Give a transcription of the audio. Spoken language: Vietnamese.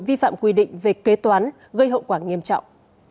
vi phạm quy định về kế toán gây hậu quả nghiêm trọng